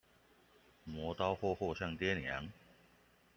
磨刀霍霍向爹娘